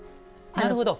なるほど。